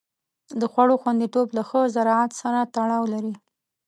د خوړو خوندیتوب له ښه زراعت سره تړاو لري.